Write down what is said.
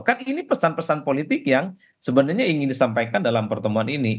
kan ini pesan pesan politik yang sebenarnya ingin disampaikan dalam pertemuan ini